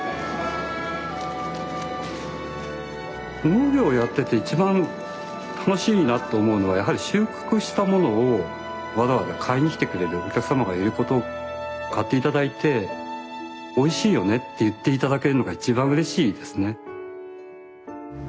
農業やってて一番楽しいなと思うのはやはり収穫したものをわざわざ買いに来てくれるお客様がいること買って頂いておいしいよねって言って頂けるのが一番うれしいですね。